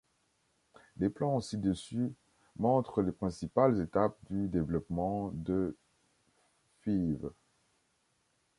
Les plans ci-dessus montrent les principales étapes du développement de Fives.